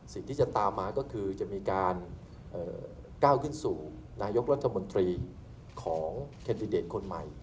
สิ่งที่จะตามมาก็คือจะมีการก้าวขึ้นสู่นายกรัฐมนตรีของแคนดิเดตคนใหม่